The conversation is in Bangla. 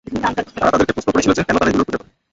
তারা তাদেরকে প্রশ্ন করেছিল যে, কেন তারা এগুলোর পূজা করে?